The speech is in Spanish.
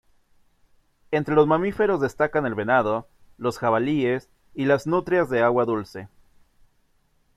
Entre los mamíferos destacan el venado, los jabalíes y las nutrias de agua dulce.